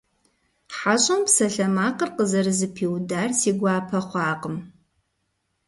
ХьэщӀэм псалъэмакъыр къызэрызэпиудар си гуапэ хъуакъым.